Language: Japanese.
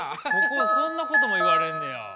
そんなことも言われんねや。